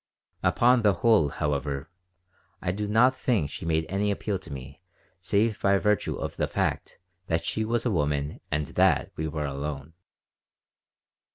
Upon the whole, however, I do not think she made any appeal to me save by virtue of the fact that she was a woman and that we were alone.